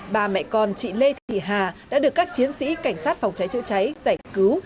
bà mẹ con chị lê thị hà đã được các chiến sĩ cảnh sát phòng cháy chữa cháy giải cứu